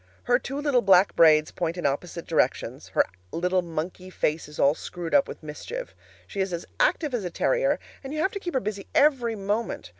Her two little black braids point in opposite directions; her little monkey face is all screwed up with mischief; she is as active as a terrier, and you have to keep her busy every moment.